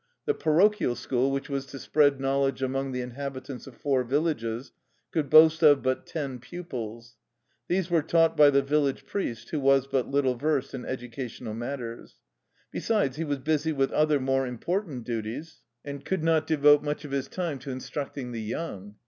The parochial school, which was to spread knowledge among the inhabitants of four vil lages, could boast of but ten pupils. These were taught by the village priest, who was but little versed in educational matters. Besides, he was busy with other, more important duties, 9 THE LIFE STORY OF A RUSSIAN EXILE and could not devote much of his time to in structing the young.